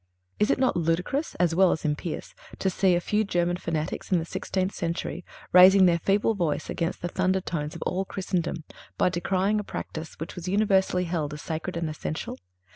Is it not ludicrous as well as impious to see a few German fanatics, in the sixteenth century, raising their feeble voice against the thunder tones of all Christendom, by decrying a practice which was universally held as sacred and essential?